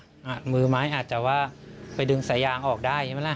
มือไม้อาจจะว่าไปดึงสายยางออกได้ใช่ไหมล่ะ